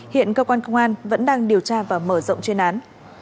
hiện cơ quan công an vẫn đang điều tra và mở rộng chuyên án